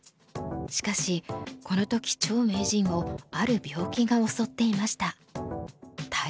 しかしこの時張名人をある病気が襲っていました。